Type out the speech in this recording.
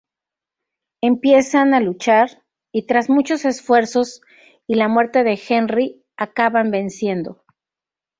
Empiezan a luchar, y tras muchos esfuerzos y la muerte de Henri acaban venciendo.